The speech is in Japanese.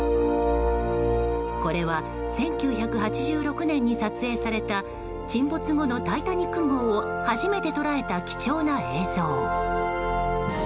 これは、１９８６年に撮影された沈没後の「タイタニック号」を初めて捉えた貴重な映像。